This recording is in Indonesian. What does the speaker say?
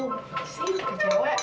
gimana sih bu kecewa